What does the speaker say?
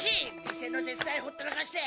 店の手伝いほったらかして。